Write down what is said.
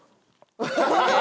ハハハハ！